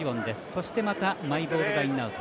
そして、またマイボールラインアウト。